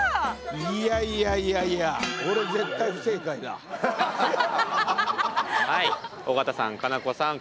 いやいやいやいや尾形さん佳菜子さん来